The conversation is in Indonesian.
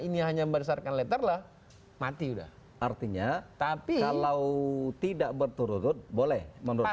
ini hanya berdasarkan letter lah mati udah artinya tapi kalau tidak berturut turut boleh menurut